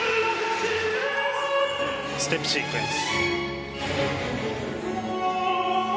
ステップシークエンス。